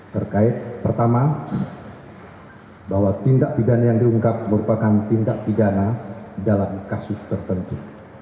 terkait pertama bahwa tindak pidana yang diungkap merupakan tindak pidana dalam kasus tertentu